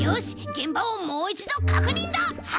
げんばをもういちどかくにんだ！